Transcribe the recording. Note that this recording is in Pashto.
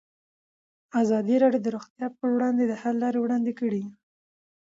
ازادي راډیو د روغتیا پر وړاندې د حل لارې وړاندې کړي.